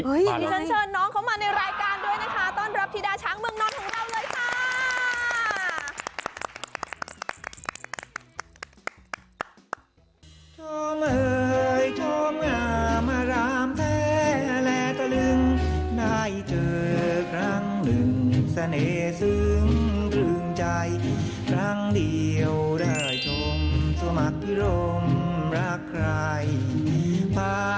อย่างที่ฉันเชิญน้องเขามาในรายการด้วยนะคะต้อนรับธิดาช้างเมืองนอนของเราเลยจ้า